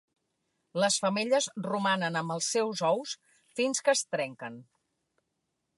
Les femelles romanen amb els seus ous fins que es trenquen.